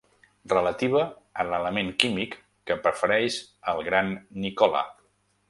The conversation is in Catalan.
Relativa a l'element químic que prefereix el gran Nicola.